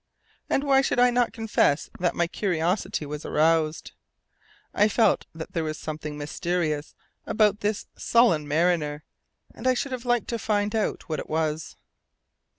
And why should I not confess that my curiosity was aroused? I felt that there was something mysterious about this sullen mariner, and I should have liked to find out what it was.